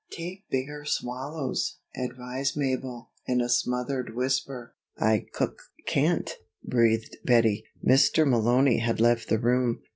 "Take bigger swallows," advised Mabel, in a smothered whisper. "I cuk can't," breathed Bettie. Mr. Malony had left the room.